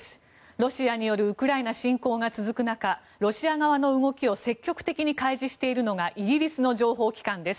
ロシアによるウクライナ侵攻が続く中ロシア側の動きを積極的に開示しているのがイギリスの情報機関です。